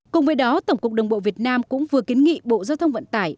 cùng với đó tổng cục đường bộ việt nam cũng vừa kiến nghị bộ giao thông vận tải